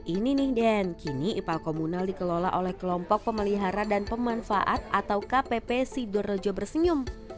ini nih den kini ipal komunal dikelola oleh kelompok pemelihara dan pemanfaat atau kpp sidorejo bersenyum